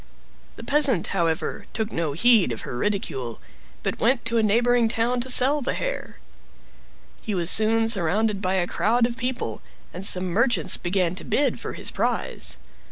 The peasant, however, took no heed of her ridicule, but went to a neighboring town to sell the hair. He was soon surrounded by a crowd of people, and some merchants began to bid for his prize.